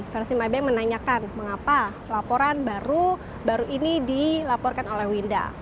versi mybank menanyakan mengapa laporan baru ini dilaporkan oleh winda